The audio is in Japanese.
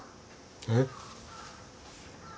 えっ？